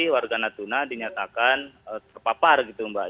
warga natuna dinyatakan terpapar gitu mbak